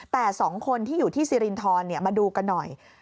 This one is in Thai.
แต่๒คนที่อยู่ที่สิรินทรมาดูกันหน่อย